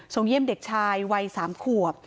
เยี่ยมเด็กชายวัย๓ขวบ